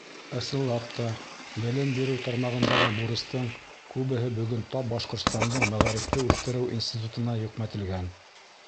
Ысынлап та, белем биреү тармағындағы бурыстың күбеһе бөгөн тап Башҡортостандың Мәғарифты үҫтереү институтына йөкмәтелгән.